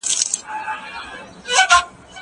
ونې ته اوبه ورکړه!!